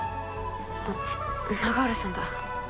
あっ永浦さんだ。